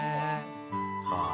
はあ。